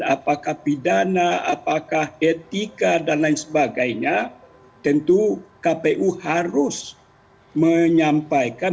apakah pidana apakah etika dan lain sebagainya tentu kpu harus menyampaikan